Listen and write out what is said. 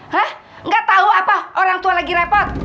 hah gak tau apa orang tua lagi repot